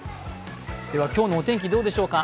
今日のお天気どうでしょうか。